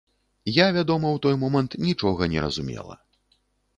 Я, вядома, у той момант нічога не разумела.